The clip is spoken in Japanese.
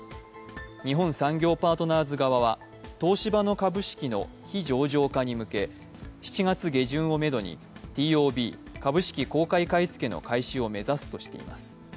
日本産業パートナーズ側は東芝の株式の非上場化に向け７月下旬をめどにＴＯＢ＝株式公開買い付けの開始を目指すとしています。